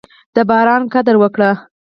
د باران قدر وکړئ.